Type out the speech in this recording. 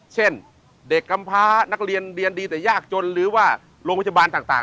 เช่นเด็กกำพานักเรียนเรียนดีแต่ยากจนหรือว่าโรงพยาบาลต่าง